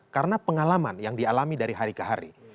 karena pengalaman yang dialami dari hari ke hari